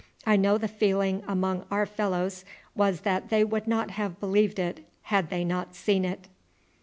I know the feeling among our fellows was that they would not have believed it had they not seen it."